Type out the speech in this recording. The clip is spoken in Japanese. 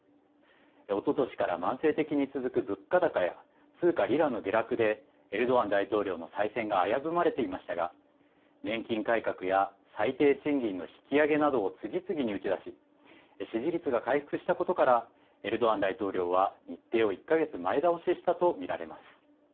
おととしから慢性的に続く物価高や通貨リラの下落でエルドアン大統領の再選が危ぶまれていましたが年金改革や最低賃金の引き上げなどを次々に打ち出し支持率が回復したことからエルドアン大統領は日程を１か月前倒ししたと見られます。